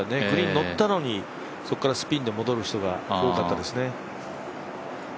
グリーンのったのに、そこからスピンで戻る人が多かったですね。